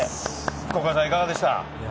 福岡さん、いかがでしたか？